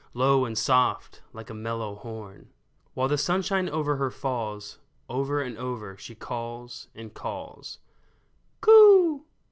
Low and soft, like a mellow horn, While the sunshine over her falls, Over and over she calls and calls '' Coo